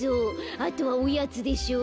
あとはおやつでしょ。